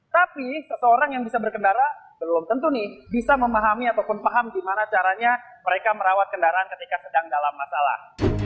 tapi seseorang yang bisa berkendara belum tentu nih bisa memahami ataupun paham gimana caranya mereka merawat kendaraan ketika sedang dalam masalah